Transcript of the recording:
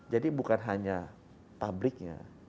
jadi bukan hanya pabriknya